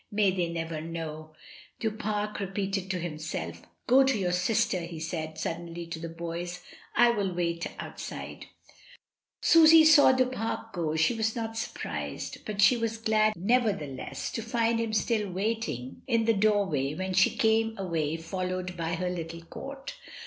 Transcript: "May they never know," Du Pare re peated to himself. "Go to your sister," he said, suddenly, to the boys. "I will wait outside." Susy saw Du Pare go; she was not surprised; but she was glad nevertheless to find him still wai& 62 MRS. DYMOND. ing in the doorway when she came away foUowed by her little court.